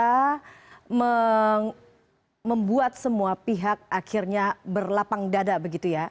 bisa membuat semua pihak akhirnya berlapang dada begitu ya